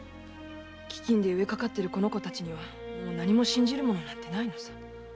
飢饉で飢えているこの子たちにはもう何も信じるものはないのさ。